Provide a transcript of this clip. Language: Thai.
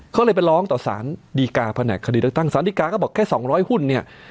เขาเลยไปร้องต่อสารดีการแผนกคดีเลือกตั้งสารดีกาก็บอกแค่๒๐๐หุ้นเนี่ย